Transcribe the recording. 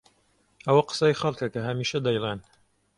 ئەوە قسەی خەڵکە کە هەمیشە دەیڵێن.